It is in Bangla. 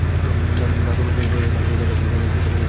নাটক প্রচারের মাস পেরিয়ে গেলেও এখনো সেই নাটকের সম্মানী পাননি তিনি।